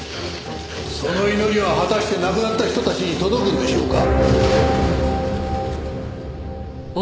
その祈りは果たして亡くなった人たちに届くんでしょうか？